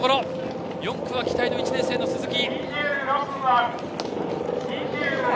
４区は期待の１年生、鈴木。